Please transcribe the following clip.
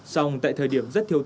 xong tại thời điểm rất thiệt